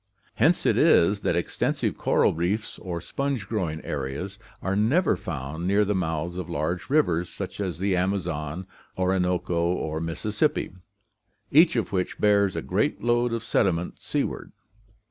Hence it is that extensive coral reefs or sponge growing areas are never found near the mouths of large rivers such as the Amazon, Orinoco, or Mississippi, each of which bears a great load of sediment sea ward.